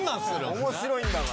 面白いんだから。